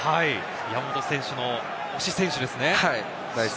山本選手の推し選手ですね。